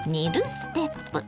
ステップ。